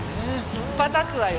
引っぱたくわよ。